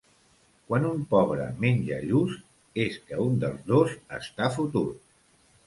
Quan un pobre menja lluç, és que un dels dos està fotut.